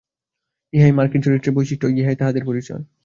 ইহাই মার্কিন চরিত্রের বৈশিষ্ট্য-ইহাই তাঁহাদের পরিচয়।